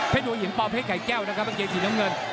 หัวหินปอเพชรไข่แก้วนะครับกางเกงสีน้ำเงิน